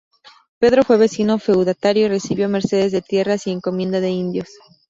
Pedro fue vecino feudatario y recibió mercedes de tierras y encomienda de indios.